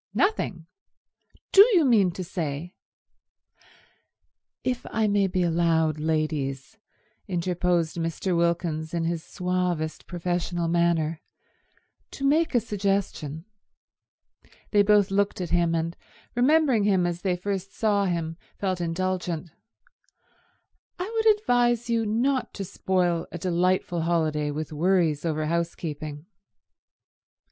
"Nothing? Do you mean to say—" "If I may be allowed, ladies," interposed Mr. Wilkins in his suavest professional manner, "to make a suggestion"—they both looked at him, and remembering him as they first saw him felt indulgent— "I would advise you not to spoil a delightful holiday with worries over housekeeping."